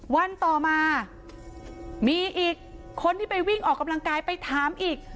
วันต่อมามีอีกคนที่ไปวิ่งออกกำลังกายไปถามอีก